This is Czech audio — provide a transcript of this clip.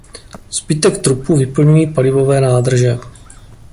Zbytek trupu vyplňují palivové nádrže.